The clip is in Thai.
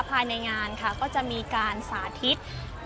ภายในงานค่ะก็จะมีการสาธิต